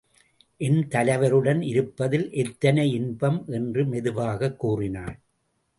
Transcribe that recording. என் தலைவருடன் இருப்பதில் எத்தனை இன்பம்! என்று மெதுவாகக் கூறினாள்.